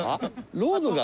『ロード』が？